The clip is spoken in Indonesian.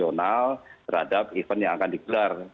dan juga organisasi nasional terhadap event yang akan dikelar